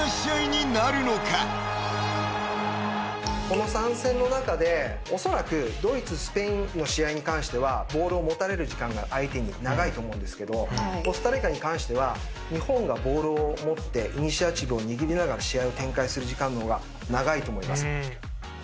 この３戦の中でおそらくドイツスペインの試合に関してはボールを持たれる時間が相手に長いと思うんですけどコスタリカに関しては日本がボールを持ってイニシアチブを握りながら試合を展開する時間の方が長いと思います。